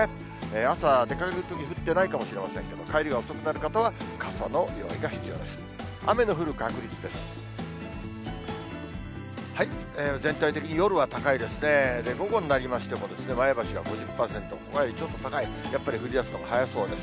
朝出かけるとき、降ってないかもしれませんけど、帰りが遅くなる方は、傘の用意が必要です。